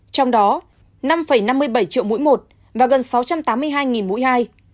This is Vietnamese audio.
trong đó năm năm mươi bảy triệu mũi một và gần sáu trăm tám mươi hai mũi hai